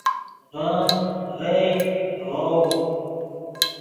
ڤیم، ڤئے، ڤؤ